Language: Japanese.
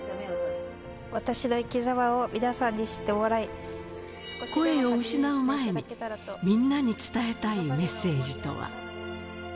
私の生きざまを皆さんに知っ声を失う前にみんなに伝えたいメッセージとは。